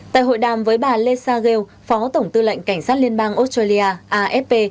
tại hội đàm với bà lê sa gheo phó tổng tư lệnh cảnh sát liên bang australia afp